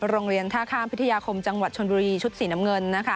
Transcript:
โรงเรียนท่าข้ามพิทยาคมจังหวัดชนบุรีชุดสีน้ำเงิน